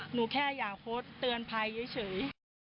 หนูแค่อยากโพสต์เตือนภัยเฉย